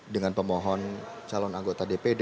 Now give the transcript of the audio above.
dengan pemohon calon anggota dpd